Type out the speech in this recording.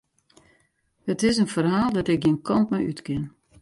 It is in ferhaal dêr't ik gjin kant mei út kin.